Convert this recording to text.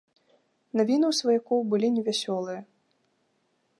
Навіны ў сваякоў былі невясёлыя.